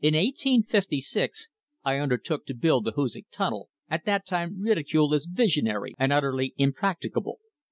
In 1856 I undertook to build the Hoosac Tunnel, at that time ridiculed as visionary and utterly impracticable.